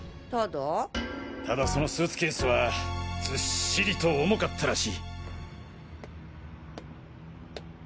ただそのスーツケースはズッシリと重かったらしい。